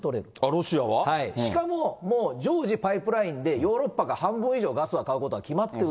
しかも、もう常時パイプラインで、ヨーロッパが半分以上ガスを買うことは決まってる。